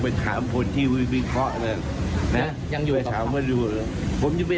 ให้ท่านชายพุทธภาพได้ขึ้นมาเป็นสอบสอบว่าคะ